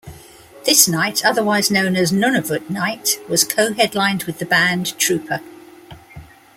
This night, otherwise known as "Nunavut night", was co-headlined with the band Trooper.